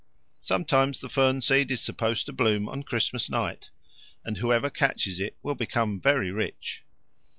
Sometimes the fern seed is supposed to bloom on Christmas night, and whoever catches it will become very rich.